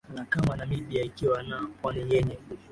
la kama Namibia ikiwa na pwani yenye